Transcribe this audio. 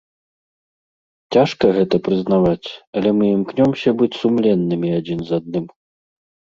Цяжка гэта прызнаваць, але мы імкнёмся быць сумленнымі адзін з адным.